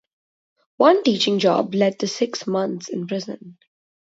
One teaching job led to six months in prison.